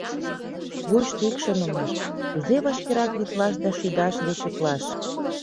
Вуйыштышт ик шонымаш: кузе вашкерак витлаш да шӱдаш деч утлаш?